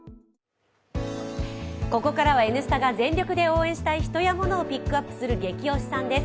ここからは「Ｎスタ」が全力で応援したい人やモノをピックアップする「ゲキ推しさん」です。